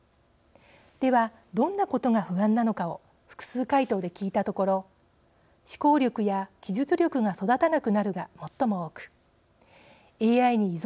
ではどんなことが不安なのかを複数回答で聞いたところ「思考力や記述力が育たなくなる」が最も多く「ＡＩに依存しすぎる」。